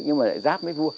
nhưng mà lại ráp với vua